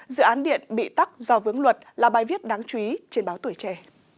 dự án điện bị tắt do vướng luật là bài viết đáng chú ý trên báo tuổi trẻ